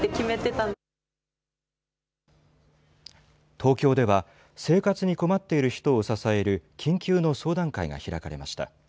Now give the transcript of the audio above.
東京では生活に困っている人を支える緊急の相談会が開かれました。